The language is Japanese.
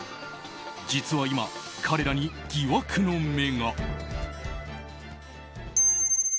実は今、彼らに疑惑の目が。